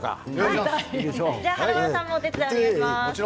華丸さんもお手伝いお願いします。